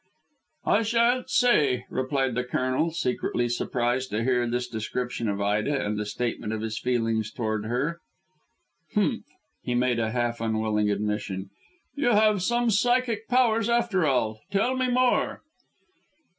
"I shan't say," replied the Colonel, secretly surprised to hear this description of Ida and the statement of his feelings towards her. "Humph!" He made a half unwilling admission, "you have some psychic powers, after all. Tell me more."